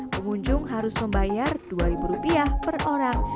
pengunjung harus membayar dua ribu rupiah per orang